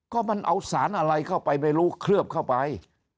ก็มันเอาสารอะไรเข้าไปไม่รู้เคลือบเข้าไป